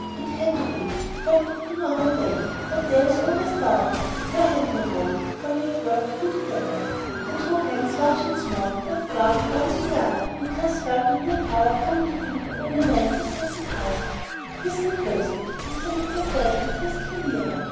"It had to be, for it could be no other way. But there is always doubt. Your hand, my boy, for we have work to do together." The two hands, large and small, were firm, one in the other, and Chris felt a new power coming to him from the man whose hand he grasped. "Listen closely," Mr. Wicker said, and Chris drew nearer.